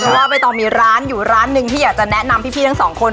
ว่าใบตองมีร้านอยู่ร้านหนึ่งที่อยากจะแนะนำพี่ทั้งสองคน